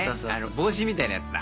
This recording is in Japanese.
帽子みたいなやつだ。